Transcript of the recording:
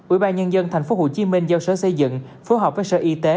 ủy ban nhân dân thành phố hồ chí minh giao sở xây dựng phối hợp với sở y tế